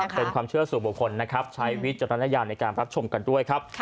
เป็นความเชื่อสู่บุคคลนะครับใช้วิจารณญาณในการรับชมกันด้วยครับ